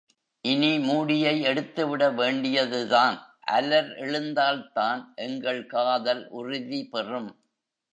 இனி மூடியை எடுத்துவிட வேண்டியதுதான். அலர் எழுந்தால்தான் எங்கள் காதல் உறுதிபெறும்.